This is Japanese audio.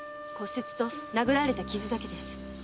骨折と殴られた傷だけです。